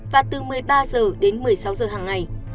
và từ một mươi ba h đến một mươi sáu giờ hàng ngày